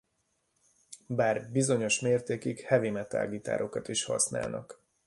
Bár bizonyos mértékig heavy metal gitárokat is használnak.